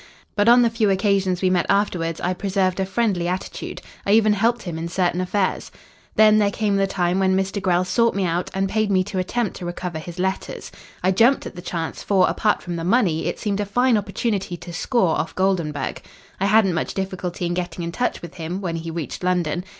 But on the few occasions we met afterwards I preserved a friendly attitude. I even helped him in certain affairs. "Then there came the time when Mr. Grell sought me out and paid me to attempt to recover his letters. I jumped at the chance, for apart from the money it seemed a fine opportunity to score off Goldenburg. I hadn't much difficulty in getting in touch with him when he reached London.